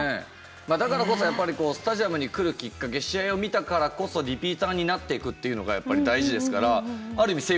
だからこそやっぱりスタジアムに来るきっかけ試合を見たからこそリピーターになっていくっていうのがやっぱり大事ですからある意味成功ですよね。